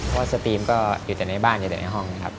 เพราะว่าสตรีมก็อยู่แต่ในบ้านอยู่แต่ในห้องนะครับ